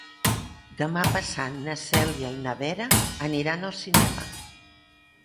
Demà passat na Cèlia i na Vera aniran al cinema.